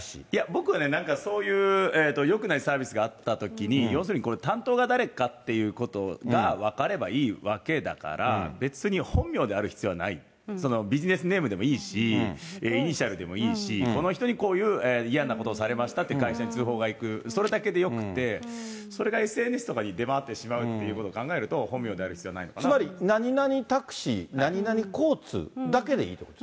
僕はね、なんかそういうよくないサービスがあったときに要するにこれ、担当が誰かっていうことが分かればいいわけだから、別に本名である必要はない、そのビジネスネームでもいいし、イニシャルでもいいし、この人にこういう嫌なことをされましたって、会社に通報がいく、それだけでよくて、それがＳＮＳとかに出回ってしまうということを考えると、つまり、何々タクシー、何々交通だけでいいっていうこと？